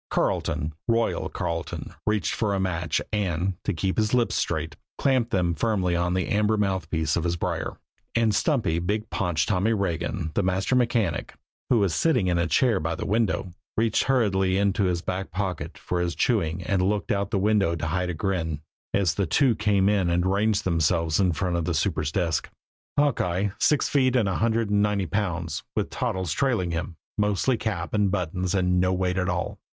Carleton, "Royal" Carleton, reached for a match, and, to keep his lips straight, clamped them firmly on the amber mouthpiece of his brier, and stumpy, big paunched Tommy Regan, the master mechanic, who was sitting in a chair by the window, reached hurriedly into his back pocket for his chewing and looked out of the window to hide a grin, as the two came in and ranged themselves in front of the super's desk Hawkeye, six feet and a hundred and ninety pounds, with Toddles trailing him, mostly cap and buttons and no weight at all.